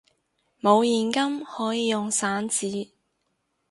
冇現金可以用散紙！